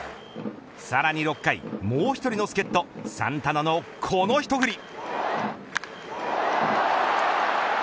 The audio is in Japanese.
さらに６回もう１人の助っ人サンタナのこの一振り。